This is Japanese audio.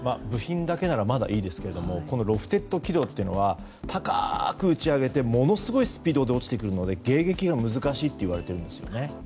部品だけならいいですがこのロフテッド軌道というのは高く打ち上げてものすごいスピードで落ちてくるので迎撃が難しいといわれているんですね。